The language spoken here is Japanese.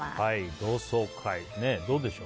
同窓会ね、どうでしょう？